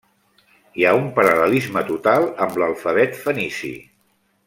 Hi ha un paral·lelisme total amb l'alfabet fenici.